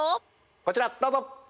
こちらどうぞ！